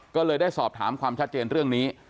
ก็เลยได้สอบถามความชัดเจนเรื่องนี้